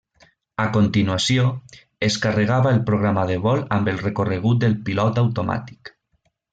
A continuació, es carregava el programa de vol amb el recorregut pel pilot automàtic.